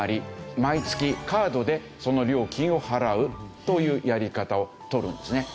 毎月カードでその料金を払うというやり方を取るんですね。